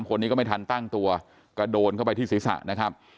คนนี้ก็ไม่ทันตั้งตัวกระโดดเข้าไปที่ศีรษะนะครับ